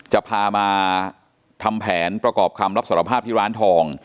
จะพามาทำแผนประกอบคำรับสารภาพที่ร้านทอง